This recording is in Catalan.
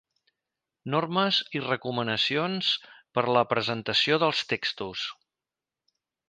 Normes i recomanacions per a la presentació dels textos.